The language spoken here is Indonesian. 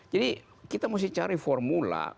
jadi kita mesti cari formula